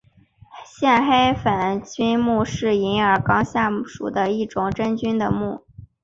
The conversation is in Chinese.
线黑粉菌目是银耳纲下属的一种属于真菌的目。